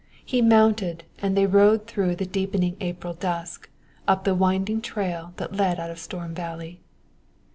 He mounted, and they rode through the deepening April dusk, up the winding trail that led out of Storm Valley.